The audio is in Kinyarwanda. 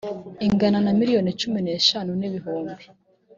ingana na miliyoni cumi n eshanu n ibihunbi